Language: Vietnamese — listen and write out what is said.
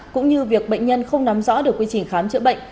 cũng như việc bệnh nhân không nắm rõ được quy trình khám chữa bệnh